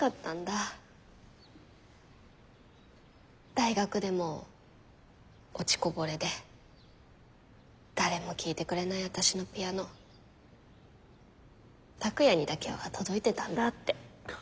大学でも落ちこぼれで誰も聴いてくれない私のピアノ拓哉にだけは届いてたんだって。